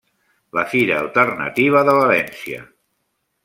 La Fira Alternativa de València.